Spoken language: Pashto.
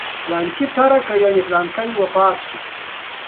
د ډاکټر او قریشي سره مو مخه ښه وکړه.